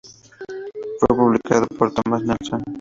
Fue publicado por Thomas Nelson.